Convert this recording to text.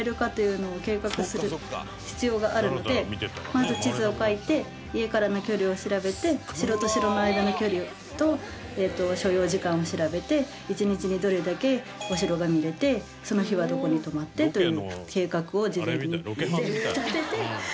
まず地図を描いて家からの距離を調べて城と城の間の距離と所要時間を調べて１日にどれだけお城が見れてその日はどこに泊まってという計画を事前に立てて。